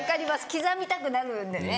刻みたくなるんだよね。